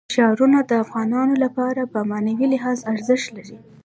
ښارونه د افغانانو لپاره په معنوي لحاظ ارزښت لري.